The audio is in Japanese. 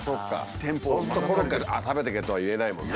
そうすると「コロッケ食べていけ」とは言えないもんね。